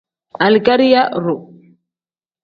Alikariya iru.